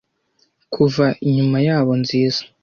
kuva inyuma yabo nziza